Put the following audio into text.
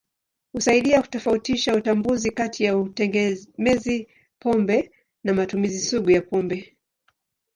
Husaidia kutofautisha utambuzi kati ya utegemezi pombe na matumizi sugu ya pombe.